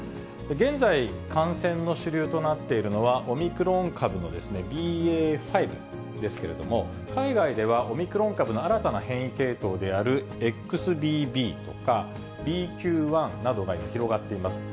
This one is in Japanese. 現在、感染の主流となっているのは、オミクロン株のＢＡ．５ですけれども、海外ではオミクロン株の新たな変異系統であるＸＢＢとか、ＢＱ．１などが広がっています。